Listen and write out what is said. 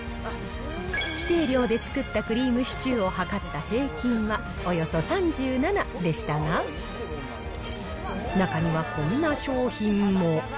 規定量で作ったクリームシチューを測った平均はおよそ３７でしたが、中にはこんな商品も。